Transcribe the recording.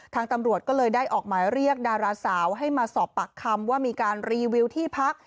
ทางตำรวจก็เลยได้ออกหมายเรียกดาราสาวให้มาสอบปากคำว่ามีการรีวิวที่พัก